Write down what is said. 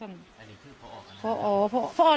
อันนี้คือพอกรรม